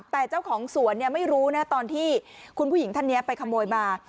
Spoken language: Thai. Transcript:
แต่เจ้าของสวนไม่รู้นะตอนที่คุณผู้หญิงท่านนี้ไปขโมยมา